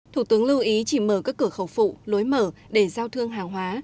thủ tướng lưu ý chỉ mở các cửa khẩu phụ lối mở để giao thương hàng hóa